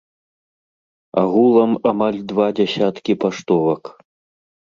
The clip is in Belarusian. Агулам амаль два дзясяткі паштовак.